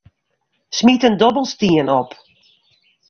Smyt in dobbelstien op.